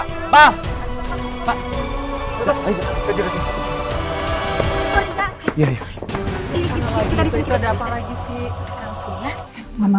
gimana mereka semua yang ada di sebuah rumah